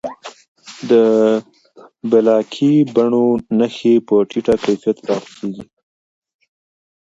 د بلاکي بڼو نښې په ټیټه کیفیت پاتې کېږي.